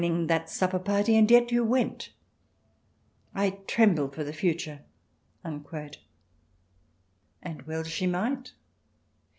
xvii that supper party, and yet you went I I tremble for the future." And well she might.